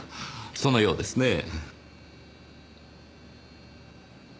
そのようですねぇ。